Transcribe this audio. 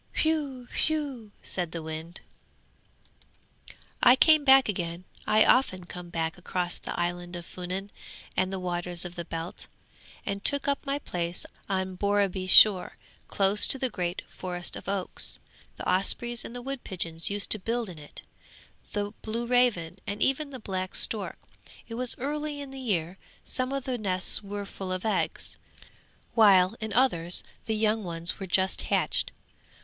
Whew! whew!' said the wind. [Illustration: She played upon the ringing lute, and sang to its tones.] 'I came back again; I often came back across the island of Funen and the waters of the Belt, and took up my place on Borreby shore close to the great forest of oaks. The ospreys and the wood pigeons used to build in it, the blue raven and even the black stork! It was early in the year; some of the nests were full of eggs, while in others the young ones were just hatched.